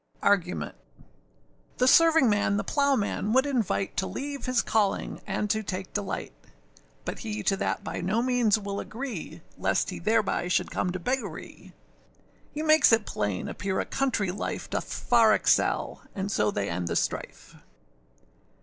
] ARGUMENT. The servingman the plowman would invite To leave his calling and to take delight; But he to that by no means will agree, Lest he thereby should come to beggary. He makes it plain appear a country life Doth far excel: and so they end the strife.